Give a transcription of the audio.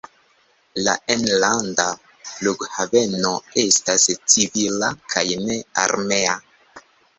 La enlanda flughaveno estas civila kaj ne armea.